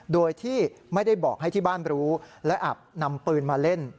โดยที่ไม่ได้บอกให้ที่บ้านรู้และอาจนำปืนมาเล่น